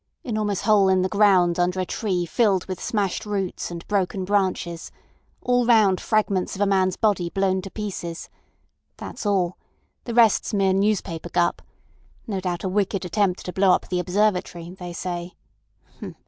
Enormous hole in the ground under a tree filled with smashed roots and broken branches. All round fragments of a man's body blown to pieces. That's all. The rest's mere newspaper gup. No doubt a wicked attempt to blow up the Observatory, they say.